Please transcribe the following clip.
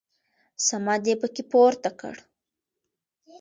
صمد يې په کې پورته کړ.